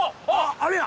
あれや！